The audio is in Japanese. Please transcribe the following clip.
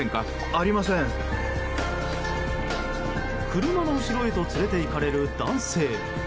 車の後ろへと連れていかれる男性。